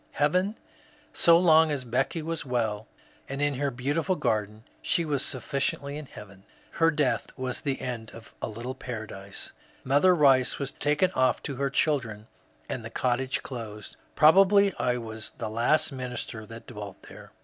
Heaven ? So long as Becky was well and in her beautiful garden she was sufficiently in heaven. Her death was the end of a little paradise. Mother Kice was taken off to her children, and the cottage closed. Probably I was the last minister that dwelt there.